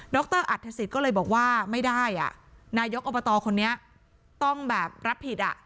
รอัฐศิษย์ก็เลยบอกว่าไม่ได้อ่ะนายกอบตคนนี้ต้องแบบรับผิดอ่ะ